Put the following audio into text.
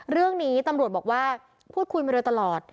เรื่องนี้ตำรวจบอกว่าพูดคุยมาโดยตลอด